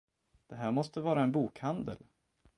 Det här måste vara en bokhandel?